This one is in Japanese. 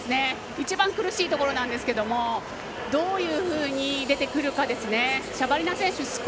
一番苦しいところなんですがどういうふうに出てくるかですね。